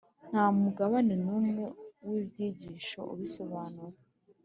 ntamugabane numwe wibyigisho ubisobanura